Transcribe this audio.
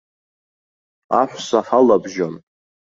Аҳәса ҳалабжьон.